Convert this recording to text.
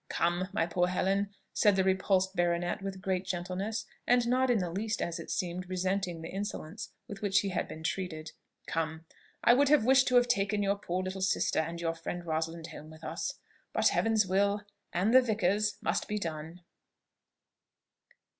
"Come, my poor Helen!" said the repulsed baronet with great gentleness, and not in the least, as it seemed, resenting the insolence with which he had been treated, "Come I would have wished to have taken your poor little sister and and your friend Rosalind home with us. But Heaven's will and the vicar's must be done."